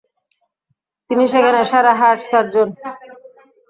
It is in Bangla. তিনি সেখানে সেরা হার্ট সার্জন।